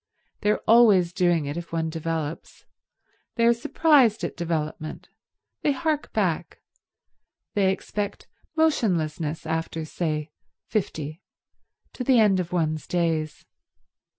They are always doing it if one develops. They are surprised at development. They hark back; they expect motionlessness after, say, fifty, to the end of one's days.